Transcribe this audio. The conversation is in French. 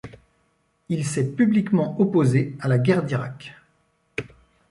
Il s'est publiquement opposé à la guerre d'Irak.